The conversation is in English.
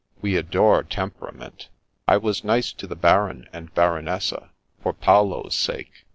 We adore temperament. I was nice to the Baron and Baronessa for Paolo's sake.